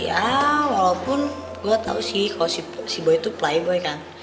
ya walaupun gue tau sih kalo si boy itu playboy kan